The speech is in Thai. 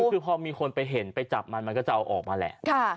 ซึ่งคราวมีคนไปเห็นไปจับมันมันก็จะออกมาแหละ